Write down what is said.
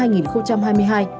vaccine phòng bệnh do virus rota